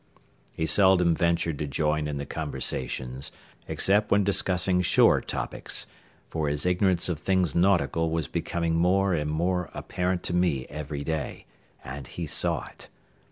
He seldom ventured to join in the conversations, except when discussing shore topics, for his ignorance of things nautical was becoming more and more apparent to me every day, and he saw it.